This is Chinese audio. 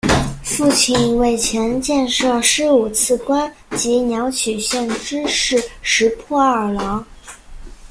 父亲为前建设事务次官及鸟取县知事石破二朗。